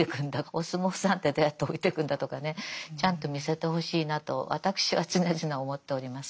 お相撲さんってどうやって老いてくんだとかねちゃんと見せてほしいなと私は常々思っております。